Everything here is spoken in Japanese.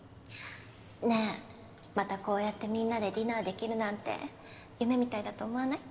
ねえまたこうやってみんなでディナーできるなんて夢みたいだと思わない？